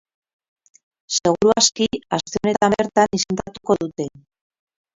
Seguru aski, aste honetan bertan izendatuko dute.